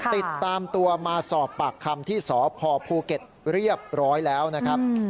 ติดตามตัวมาสอบปากคำที่สพภูเก็ตเรียบร้อยแล้วนะครับ